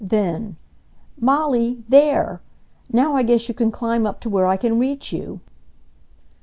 Then, "Molly, there! Now I guess you can climb up to where I can reach you."